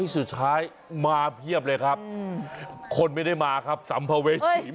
สุดท้ายมาเพียบเลยครับคนไม่ได้มาครับสัมภเวษี